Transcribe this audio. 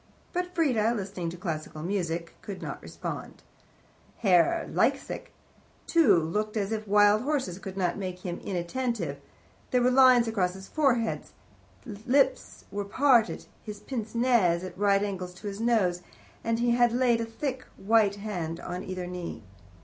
But Frieda, listening to Classical Music, could not respond. Herr Liesecke, too, looked as if wild horses could not make him inattentive; there were lines across his forehead, his lips were parted, his pince nez at right angles to his nose, and he had laid a thick, white hand on either knee.